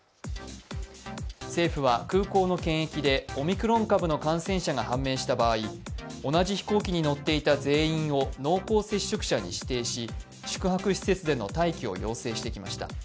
政府は空港の検疫でオミクロン株の感染者が判明した場合同じ飛行機に乗っていた全員を濃厚接触者に指定し宿泊施設での待機を要請してきました。